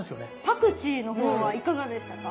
パクチーの方はいかがでしたか？